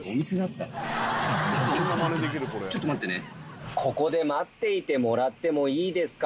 ちょっと待ってね。